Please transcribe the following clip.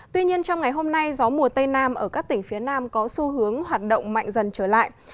tuy nhiên trong ngày hôm nay gió mùa tây nam ở các tỉnh phía nam có xu hướng hoạt động mạnh dần trở lại